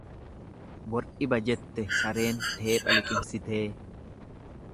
Bor dhiba jette sareen teepha liqimsitee.